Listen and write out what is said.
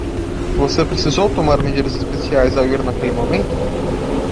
Você precisou tomar medidas especiais ao ir naquele momento?